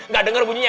gak denger bunyinya